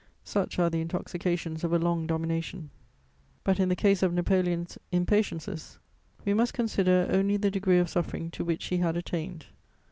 Such are the intoxications of a long domination; but, in the case of Napoleon's impatiences, we must consider only the degree of suffering to which he had attained.